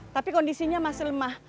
tapi kondisinya masih lemah